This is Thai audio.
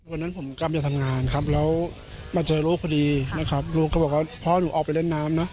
วันนั้นผมกลับไปทำงานครับแล้วมาเจอลูกพอดีนะครับลูกก็บอกว่าพ่อหนูออกไปเล่นน้ำนะ